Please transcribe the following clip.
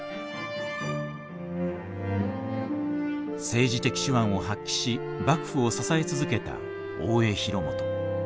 政治的手腕を発揮し幕府を支え続けた大江広元。